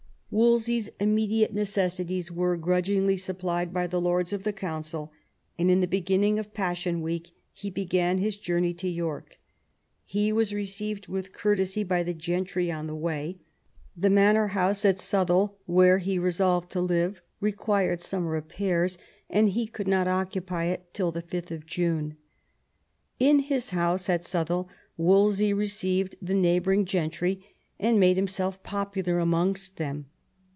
Wolsey's immediate necessities were grudgingly 194 THOMAS WOLSEY chap. supplied by the lords of the Council, and in the be ginning of Passion Week he began his journey to York. He was received with courtesy by the gentry on the way. The manor house at Southwell, where he resolved to live, required some repairs, and he could not occupy it till 5th June. In his house at Southwell WoUey received the neigh bouring gentry, and made himself popular amongst them.